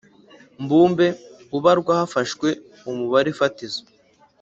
mbumbe Ubarwa hafashwe umubare fatizo